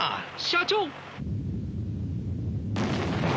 社長！